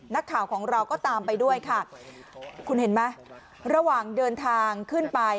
นักข่าวของเราก็ตามไปด้วยค่ะคุณเห็นไหมระหว่างเดินทางขึ้นไป